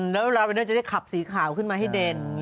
แล้วเวลาไปนั่งจะได้ขับสีขาวขึ้นมาให้เด่น